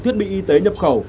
thiết bị y tế nhập khẩu